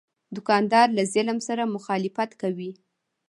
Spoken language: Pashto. دوکاندار له ظلم سره مخالفت کوي.